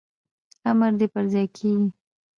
امر دي پرځای کیږي